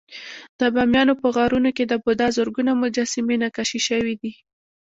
د بامیانو په غارونو کې د بودا زرګونه مجسمې نقاشي شوې وې